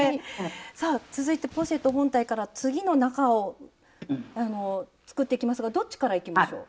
さあ続いてポシェット本体から次の中を作っていきますがどっちからいきましょう？